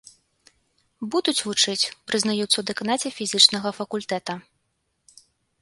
Будуць вучыць, прызнаюцца ў дэканаце фізічнага факультэта.